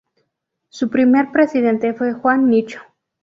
Su primer presidente fue Juan Nicho.